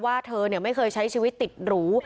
เธอไม่เคยใช้ชีวิตติดหรู